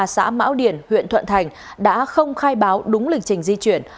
xã mão điền huyện thuận thành đã không khai báo đúng lịch trình di chuyển